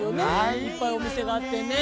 いっぱいお店があってねえ。